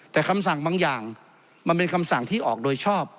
แต่คำสั่งบางอย่างมันเป็นคำสั่งที่ออกโดยชอบ